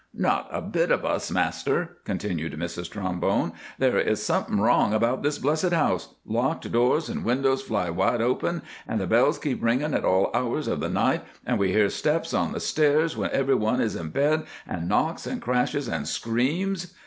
"'Not a bit of us, master,' continued Mrs Trombone. 'There is something wrong about this blessed house—locked doors and windows fly wide open, and the bells keep ringin' at all hours of the night, and we hear steps on the stairs when everyone is in bed, and knocks, and crashes, and screams.